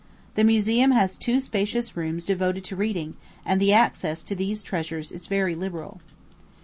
The museum has two spacious rooms devoted to reading, and the access to these treasures is very liberal.